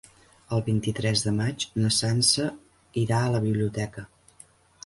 El vint-i-tres de maig na Sança irà a la biblioteca.